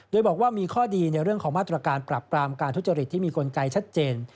โดยบอกว่ามีข้อดีในเรื่องของมาตรการปรับปรามการทุจริตที่มีกลไกชัดเจน